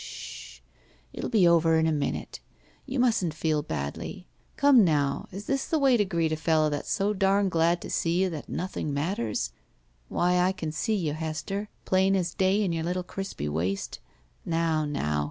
Sh h! It will be over in a minute. You mustn't feel badly. Come now, is this the way to greet a fellow that's so dam glad to see you that nothing matters? Why I can see you, Hester. Plain as day in your little crispy waist. Now, now!